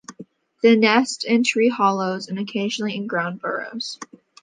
They nest in tree hollows and occasionally in ground burrows.